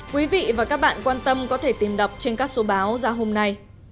quý vị và các bạn quan tâm có thể tìm đọc trên các số báo ra hôm nay